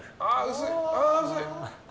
薄い！